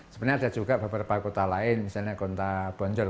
sebenarnya ada juga beberapa kota lain misalnya kota bonjol